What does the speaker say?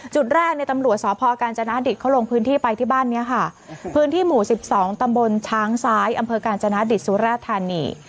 จุดแรกในตำรวจสพกาญจนาดิตเขาลงพื้นที่ไปที่บ้านนี้ค่ะพื้นที่หมู่๑๒ตำบลช้างซ้ายอำเภอกาญจนาดิตสุราธานี